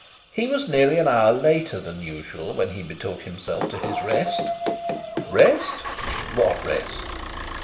He was nearly an hour later than usual, when he betook himself to his rest. Rest! What rest?